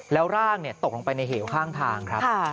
แล้วร่างตกลงไปในเหวข้างทางครับ